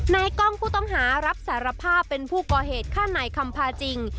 กล้องผู้ต้องหารับสารภาพเป็นผู้ก่อเหตุฆ่านายคำพาจริง